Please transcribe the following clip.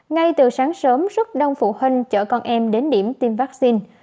ngay từ sáng sớm rất đông phụ huynh chở con em đến điểm tiêm vaccine